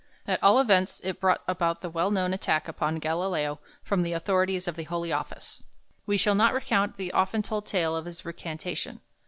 At all events, it brought about the well known attack upon Galileo from the authorities of the Holy Office. We shall not recount the often told tale of his recantation.